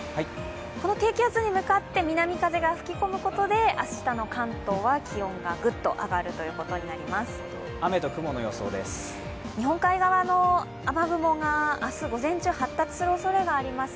この低気圧に向かって南風が吹き込むことで明日の関東は気温がグッと上がることになります。